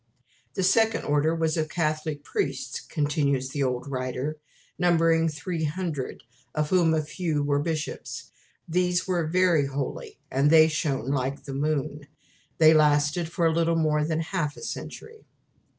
"The Second Order was of Catholic Priests" continues the old writer "numbering 300, of whom a few were bishops. These were VERY HOLY, and they shone like the moon." They lasted for a little more than half a century.